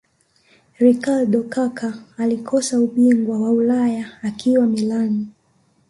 ricardo kaka alikosa ubingwa wa ulaya akiwa Milan